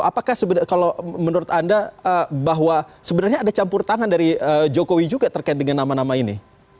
apakah kalau menurut anda bahwa sebenarnya ada campur tangan dari jokowi juga terkait dengan nama nama ini